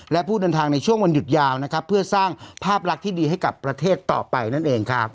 และผู้เดินทางในช่วงวันหยุดยาวนะครับเพื่อสร้างภาพลักษณ์ที่ดีให้กับประเทศต่อไปนั่นเองครับ